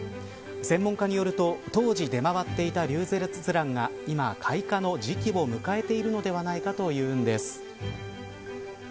専門家によると当時、出回っていたリュウゼツランが今、開花の時期を迎えているのではないかというんです。